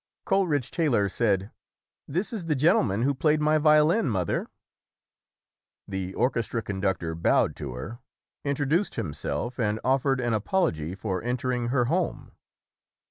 Coleridge Taylor said, "This is the gentleman who played my violin, mother". The orchestra conductor bowed to her, intro duced himself and offered an apology for enter ing her home.